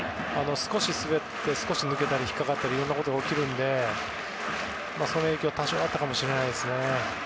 滑ったり抜けたり引っかかったりいろんなことが起きるのでその影響が多少あったかもしれません。